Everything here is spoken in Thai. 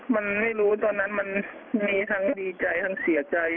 มันไม่รู้ตอนนั้นมันมีทั้งดีใจทั้งเสียใจ